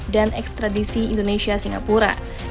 dan ekstradisi indonesia singapura